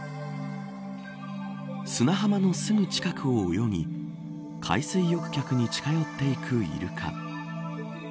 砂浜のすぐ近くを泳ぎ海水浴客に近寄っていくイルカ。